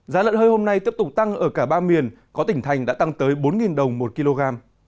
giá lợn hơi hôm nay tiếp tục tăng ở cả ba miền có tỉnh thành đã tăng tới bốn đồng một kg